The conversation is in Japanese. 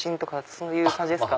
そういう感じですか？